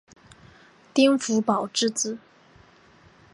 丁福保之子。